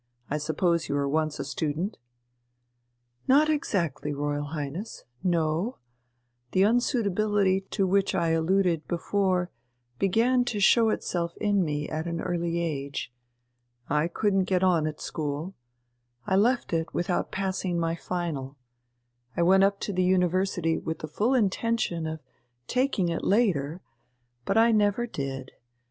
I suppose you were once a student?" "Not exactly, Royal Highness; no, the unsuitability to which I alluded before began to show itself in me at an early age. I couldn't get on at school. I left it without passing my 'final.' I went up to the university with the full intention of taking it later, but I never did.